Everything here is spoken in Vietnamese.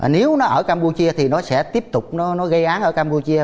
nếu nó ở campuchia thì nó sẽ tiếp tục nó gây án ở campuchia